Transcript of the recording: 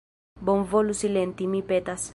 Bonvolu silenti, mi petas.